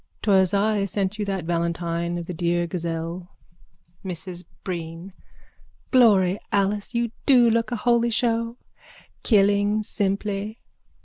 _ 'Twas I sent you that valentine of the dear gazelle. MRS BREEN: Glory Alice, you do look a holy show! Killing simply.